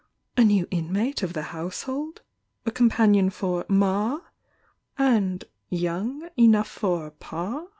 A new inmate of the household? — a companion for "Ma"— and "young" enough for "Pa"?